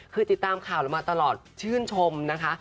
คือติดตามข่าวเรามาตลอดชื่นชมนะคะ